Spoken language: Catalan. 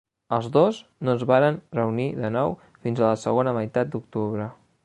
Els dos no es varen reunir de nou fins a la segona meitat d'octubre.